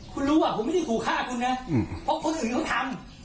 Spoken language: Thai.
คุณรู้ว่าผมไม่ได้ขู่ฆ่าคุณนะเพราะคนอื่นเขาทำ